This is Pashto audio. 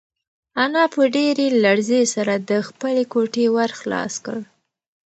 انا په ډېرې لړزې سره د خپلې کوټې ور خلاص کړ.